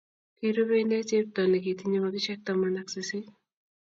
Kirube inne chepto ne kitinye makishe taman ak sisit.